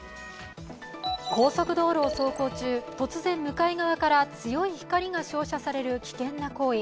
高速道路を走行中、突然向かい側から強い光が照射される危険な行為。